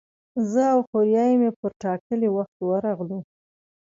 زه او خوریی مې پر ټاکلي وخت ورغلو.